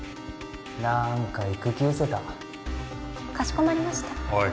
なんか行く気うせたかしこまりましたおい